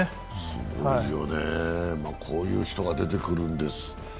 すごいよね、こういう人が出てくるんです。